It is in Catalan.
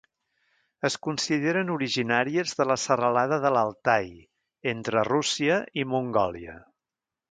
Es consideren originàries de la serralada de l'Altai, entre Rússia i Mongòlia.